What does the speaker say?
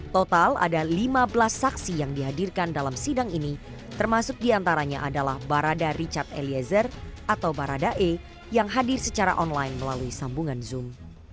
total ada lima belas saksi yang dihadirkan dalam sidang ini termasuk diantaranya adalah barada richard eliezer atau baradae yang hadir secara online melalui sambungan zoom